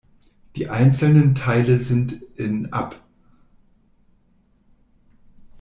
Die einzelnen Teile sind in Abb.